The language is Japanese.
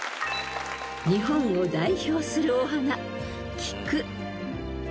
［日本を代表するお花］